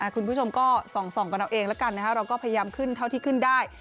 คุณผู้ชมก็ส่องกันเอาเองแล้วกันเราก็พยายามขึ้นเท่าที่ขึ้นได้